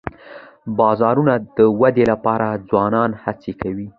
د بازارونو د ودي لپاره ځوانان هڅې کوي.